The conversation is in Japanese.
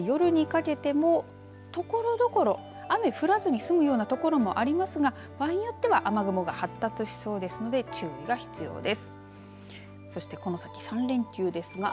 そして夜にかけてもところどころ雨降らずに済むようなところもありますが場合によっては雨雲が発達しそうですので注意が必要です。